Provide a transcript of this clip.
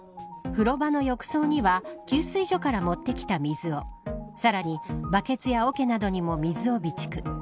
風呂場の浴槽には給水所から持ってきた水をさらに、バケツやおけなどにも水を備蓄。